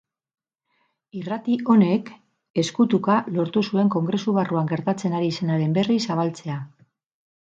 Irrati honek ezku-tuka lortu zuen kongresu barruan gertatzen ari zenaren berri zabaltzea.